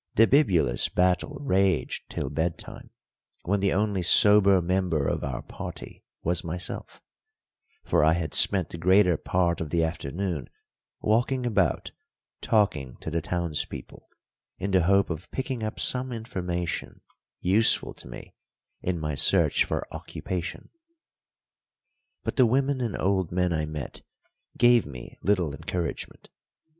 The bibulous battle raged till bedtime, when the only sober member of our party was myself; for I had spent the greater part of the afternoon walking about talking to the townspeople, in the hope of picking up some information useful to me in my search for occupation. But the women and old men I met gave me little encouragement.